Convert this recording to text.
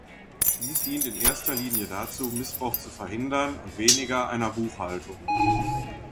Dies dient in erster Linie dazu, Missbrauch zu verhindern und weniger einer "Buchhaltung".